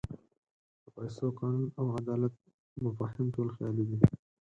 د پیسو، قانون او عدالت مفاهیم ټول خیالي دي.